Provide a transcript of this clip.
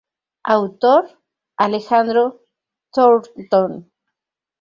Autor: Alejandro Thornton.